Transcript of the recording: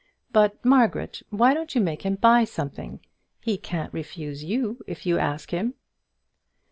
But, Margaret, why don't you make him buy something? He can't refuse you if you ask him."